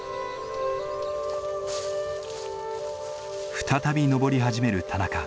再び登り始める田中。